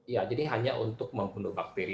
ya jadi hanya untuk membunuh bakteri